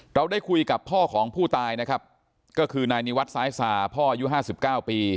เราได้คุยกับพ่อของผู้ตายนะครับก็คือนายนิวัตรซ้ายสาพ่ออายุห้าสิบเก้าปี